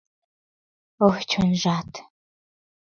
Ой, чонжат!